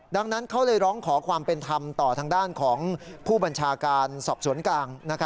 ดังนั้นเขาเลยร้องขอความเป็นธรรมต่อทางด้านของผู้บัญชาการสอบสวนกลาง